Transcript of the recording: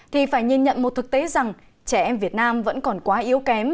thì phải nhìn nhận một thực tế rằng trẻ em việt nam vẫn còn quá yếu kém